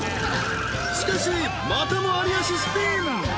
［しかしまたも有吉スピン！］